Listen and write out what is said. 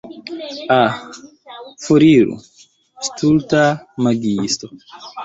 Ah, foriru stulta magiisto.